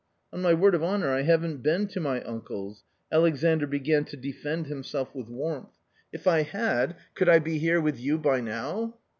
" On my word of honour, I haven't been to my uncle's." Alexandr began to defend himself with warmth. i( If I had, could I be here with you by now